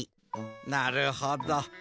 なるほど。